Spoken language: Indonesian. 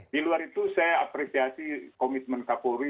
di luar itu saya apresiasi komitmen kapolri